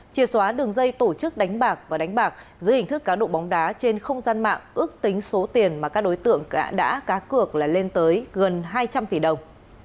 chia xóa đường dây tổ chức đánh bạc và đánh bạc dưới hình thức cá độ bóng đá trên không gian mạng ước tính số tiền mà các đối tượng đã cá cược là lên tới gần hai trăm linh tỷ đồng